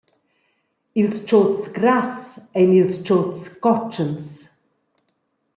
Ils tschuts grass ein ils tschuts «cotschens».